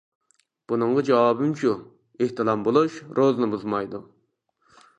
بۇنىڭغا جاۋابىم شۇ: ئېھتىلام بولۇش روزىنى بۇزمايدۇ.